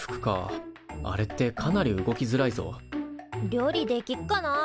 料理できっかな？